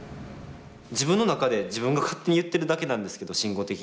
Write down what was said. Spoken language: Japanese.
自分の中で自分が勝手に言ってるだけなんですけど慎吾的には。